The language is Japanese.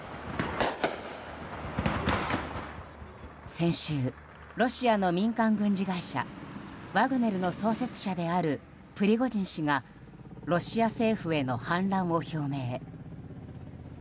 先週、ロシアの民間軍事会社ワグネルの創設者であるプリゴジン氏がロシア政府への反乱を表明。